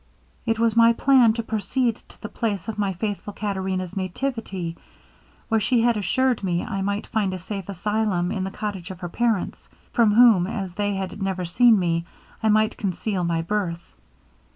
It was my plan to proceed to the place of my faithful Caterina's nativity, where she had assured me I might find a safe asylum in the cottage of her parents, from whom, as they had never seen me, I might conceal my birth.